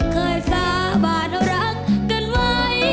เคยสะบานรักกันไว้